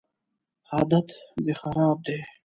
عادت دي خراب دی